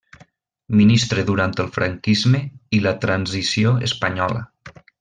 Ministre durant el franquisme i la transició espanyola.